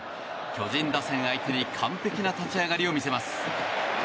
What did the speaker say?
巨人打線相手に完璧な立ち上がりを見せます。